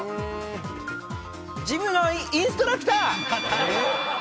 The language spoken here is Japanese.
ジムのインストラクター。